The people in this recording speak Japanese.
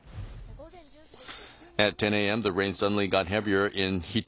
午前１０時です。